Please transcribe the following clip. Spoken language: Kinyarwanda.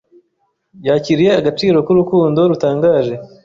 Yakiriye agaciro k'urukundo rutangaje,